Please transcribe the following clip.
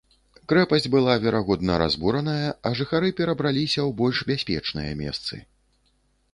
Крэпасць была, верагодна, разбураная, а жыхары перабраліся ў больш бяспечныя месцы.